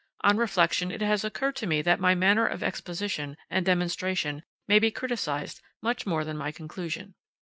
On reflection it has occurred to me that my manner of exposition and demonstration may be criticised much more than my conclusion.